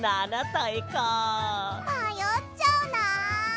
まよっちゃうな。